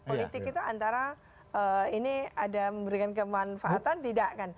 politik itu antara ini ada memberikan kemanfaatan tidak kan